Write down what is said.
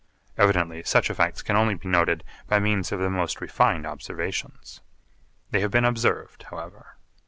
Evidently such effects can only be noted by means of the most refined observations. They have been observed however.